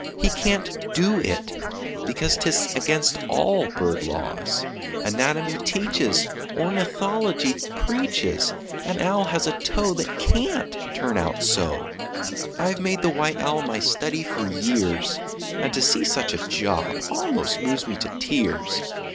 He can't do it, because 'Tis against all bird laws Anatomy teaches, Ornithology preaches An owl has a toe That can't turn out so! I've made the white owl my study for years, And to see such a job almost moves me to tears!